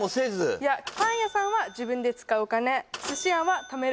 いやパン屋さんは自分で使うお金寿司屋はためる